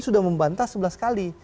sudah membantah sebelas kali